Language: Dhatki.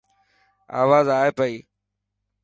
آواز آي پئي.